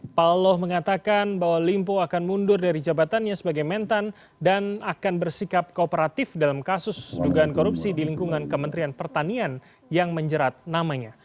palloh mengatakan bahwa limpo akan mundur dari jabatannya sebagai mentan dan akan bersikap kooperatif dalam kasus dugaan korupsi di lingkungan kementerian pertanian yang menjerat namanya